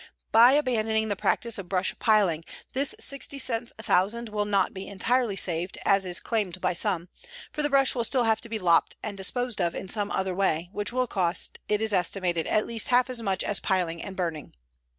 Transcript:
By abandoning the practice of brush piling this 60 cents a thousand will not be entirely saved, as is claimed by some, for the brush will still have to be lopped and disposed of in some other way, which will cost, it is estimated, at least half as much as piling and burning.